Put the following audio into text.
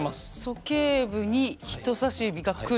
そけい部に人さし指が来る。